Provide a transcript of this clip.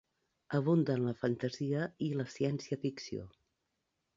Abunda en la fantasia i la ciència-ficció.